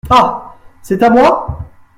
Ah ! c’est à moi ?…